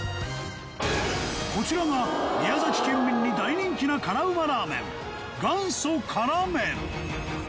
こちらが宮崎県民に大人気な辛ウマラーメン元祖辛麺